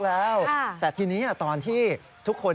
ดังนั้นคุณพ่อได้รับทั้ง๑๓ชีวิตกลับสู่อ้อมอก